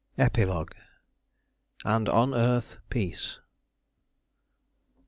EPILOGUE. "AND ON EARTH PEACE!"